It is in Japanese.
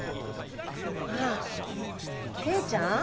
ああケイちゃん？